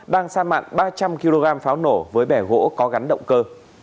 đang sa mạc ba trăm linh kg pháo nổ với bẻ gỗ có gắn động cơ